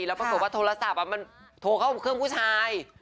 แล้วปรากฏว่าโทรศัพท์มันโทรเข้าเครื่องผู้ชาย